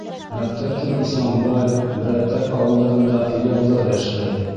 Мәктәптең Исламбай, Брәтәк ауылдарында филиалдары эшләй.